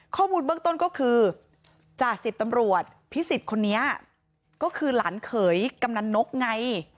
ข้อมูลเบื้องต้นก็คือจ่าสิบตำรวจพิสิทธิ์คนนี้ก็คือหลานเขยกำนันนกไง